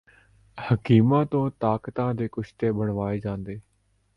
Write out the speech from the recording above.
ਹਕੀਮਾਂ ਤੋਂ ਤਾਕਤ ਦੇ ਕੁਸ਼ਤੇ ਬਣਵਾਏ ਜਾਂਦੇ